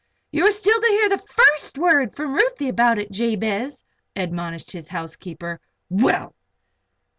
"You are still to hear the first word from Ruthie about it, Jabez," admonished his housekeeper. "Well!"